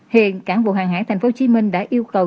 hiện cảng vụ hàng hải tp hcm đã yêu cầu